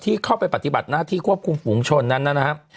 เข้าไปปฏิบัติหน้าที่ควบคุมฝูงชนนั้นนะครับ